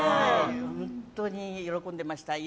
本当に喜んでました。